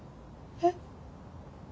えっ。